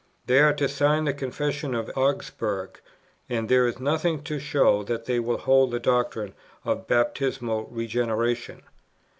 They are to sign the Confession of Augsburg, and there is nothing to show that they hold the doctrine of Baptismal Regeneration.